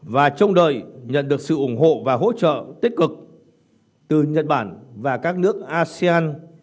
và trông đợi nhận được sự ủng hộ và hỗ trợ tích cực từ nhật bản và các nước asean